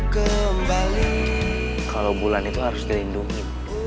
kembali kalau bulan itu harus dilindungi